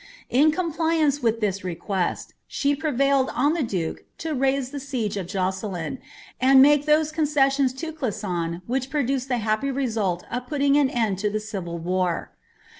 In coinplianre with ihis request, she {irevaileil w the duke to raise ilie aiei^ of Jossalin, anil to make those coaecaioni ts Cliason which produced the happy result of putting an fnd to the eiiil war.'